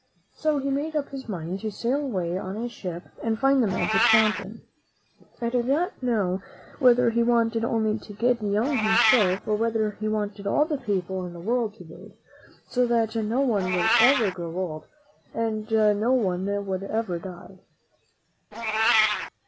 So he made up his mind to sail away on a ship and find the magic fountain. I do not know whether he wanted only to. get young himself, or whether he wanted all the people in the world to bathe, so that no one would ever grow old and no one would ever die.